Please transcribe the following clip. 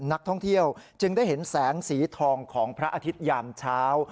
นักท่องเที่ยวจึงได้เห็นแสงสีทองของพระอาทิตยามเช้า